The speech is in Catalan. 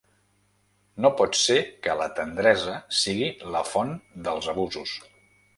No pot ser que la tendresa sigui la font dels abusos.